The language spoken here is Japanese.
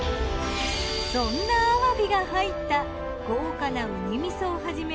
そんなあわびが入った豪華なウニ味噌をはじめ